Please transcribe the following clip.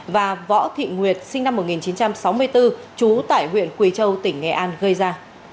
và võ thị nguyệt sinh năm một nghìn chín trăm sáu mươi bốn trú tại huyện quỳ châu tỉnh nghệ an gây ra